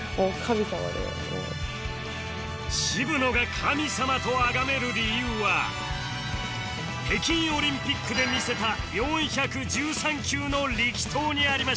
渋野が神様と崇める理由は北京オリンピックで見せた４１３球の力投にありました